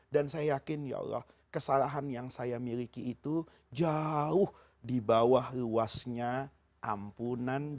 dan saya yakin ya allah kesalahan yang saya miliki itu jauh dibawah luasnya ampunan allah